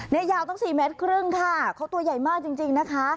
เนี้ยยาวต้องสี่แมนครึ่งค่ะเขาตัวใหญ่มากจริงจริงนะคะ